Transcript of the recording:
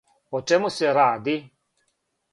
О чему се ради?